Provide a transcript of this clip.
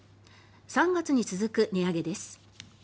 ３月に続く値上げです。